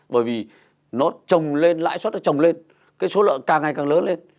bởi vì lãi suất nó trồng lên số lợi càng ngày càng lớn lên